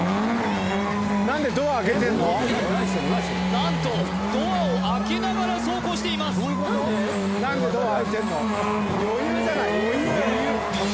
何とドアを開けながら走行しています